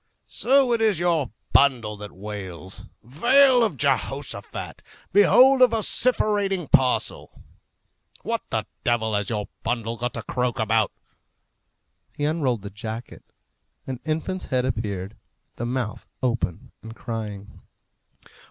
"So it is your bundle that wails! Vale of Jehoshaphat! Behold a vociferating parcel! What the devil has your bundle got to croak about?" He unrolled the jacket. An infant's head appeared, the mouth open and crying.